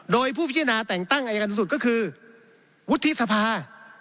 โดยผู้พิจารณาแต่งตั้งอายการสูงสุดก็คือวุฒิสภา